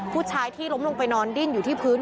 ผู้ชายที่ล้มลงไปนอนดิ้นอยู่ที่พื้น